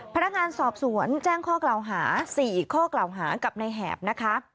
พนักงานสอบสวนแจ้งข้อกล่าวหา๔ข้อกล่าวหากับในแหบนะคะ